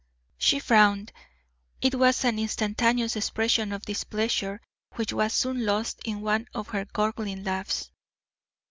She frowned. It was an instantaneous expression of displeasure which was soon lost in one of her gurgling laughs.